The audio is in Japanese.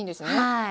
はい。